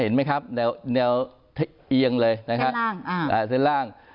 เห็นไหมครับแนวแนวเอียงเลยนะฮะแสนล่างอ่าแสนล่าง